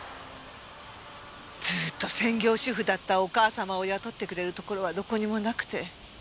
ずーっと専業主婦だったお母様を雇ってくれるところはどこにもなくて。